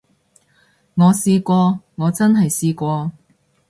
我試過，我真係試過